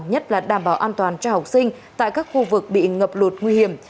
nhất là đảm bảo an toàn cho học sinh tại các khu vực bị ngập lụt nguy hiểm